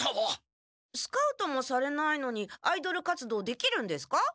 スカウトもされないのにアイドル活動できるんですか？